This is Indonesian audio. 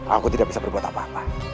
aku tidak bisa berbuat apa apa